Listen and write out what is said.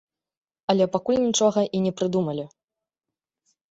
Але пакуль нічога і не прыдумалі.